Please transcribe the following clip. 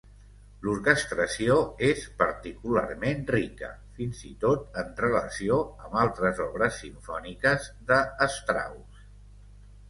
L'orquestració és particularment rica, fins i tot en relació amb altres obres simfòniques de Strauss.